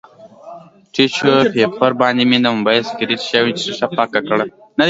ټیشو پیپر باندې مې د مبایل سکریچ شوې ښیښه پاکه کړه